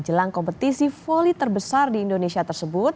jelang kompetisi voli terbesar di indonesia tersebut